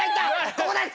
ここです！